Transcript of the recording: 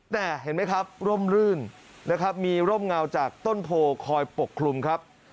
แต่เห็นไหมครับเยี่ยมออกมานี่มีร่มเงาด์จากต้นโพข่อยปกครุมครับ